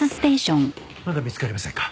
まだ見つかりませんか？